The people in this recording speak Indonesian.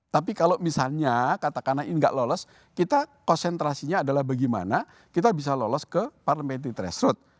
tapi kalau misalnya katakanlah ini nggak lolos kita konsentrasinya adalah bagaimana kita bisa lolos ke parliamentary threshold